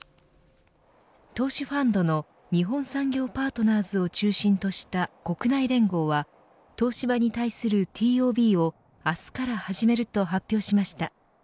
投資ファンドの日本産業パートナーズを中心とした国内連合は東芝に対するＴＯＢを明日から始めると発表しました。